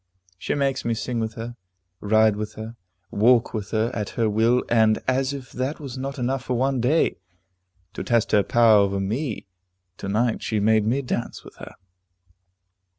She makes me sing with her, ride with her, walk with her, at her will, and as if that was not enough for one day, to test her power over me, to night she made me dance with her.